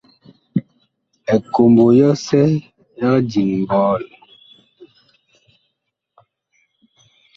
Ekombo yɔsɛ ɛg diŋ ɓɔɔl.